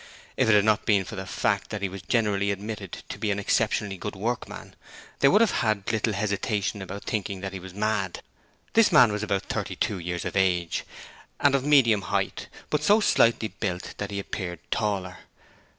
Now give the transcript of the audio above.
If it had not been for the fact that he was generally admitted to be an exceptionally good workman, they would have had little hesitation about thinking that he was mad. This man was about thirty two years of age, and of medium height, but so slightly built that he appeared taller.